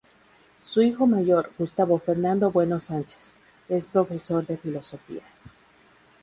Su hijo mayor, Gustavo Fernando Bueno Sánchez, es profesor de Filosofía.